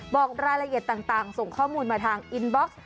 บอกรายละเอียดต่างส่งข้อมูลมาทางอินบ็อกซ์